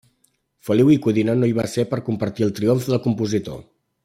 Feliu i Codina no hi va ser per compartir el triomf del compositor.